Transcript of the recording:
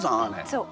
そう。